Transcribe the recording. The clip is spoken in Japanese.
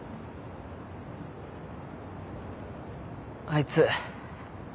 あいつ。